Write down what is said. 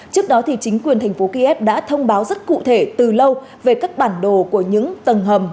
trước đó chính quyền thành phố kiev đã thông báo rất cụ thể từ lâu về các bản đồ của những tầng hầm